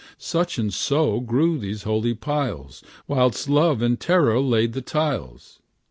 Such and so grew these holy piles, Whilst love and terror laid the tiles.